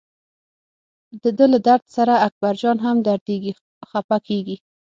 دده له درد سره اکبرجان هم دردېږي خپه کېږي.